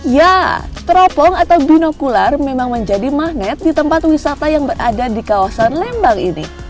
ya teropong atau binokular memang menjadi magnet di tempat wisata yang berada di kawasan lembang ini